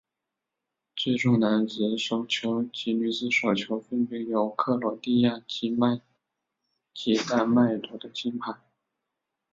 最终男子手球及女子手球分别由克罗地亚及丹麦夺得金牌。